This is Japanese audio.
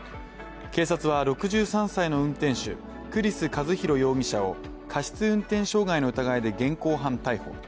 警察は６３歳の運転手、栗栖一弘容疑者を過失運転傷害の疑いで現行犯逮捕。